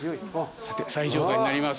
最上階になります。